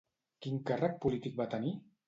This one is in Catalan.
Quin càrrec polític va tenir?